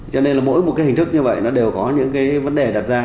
cho nên mỗi một hình thức như vậy đều có những vấn đề đặt ra